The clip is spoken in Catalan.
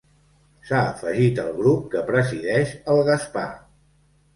S'ha afegit al grup que presideix el Gaspar.